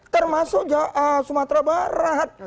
termasuk sumatera barat